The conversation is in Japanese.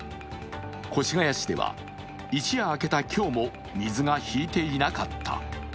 越谷市では一夜明けた今日も水が引いていなかった。